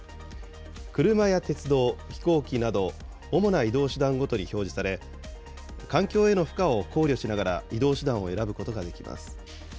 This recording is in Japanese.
車や鉄道、飛行機など、主な移動手段ごとに表示され、環境への負荷を考慮しながら移動手段を選ぶことができます。